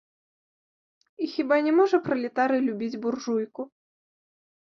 І хіба не можа пралетарый любіць буржуйку?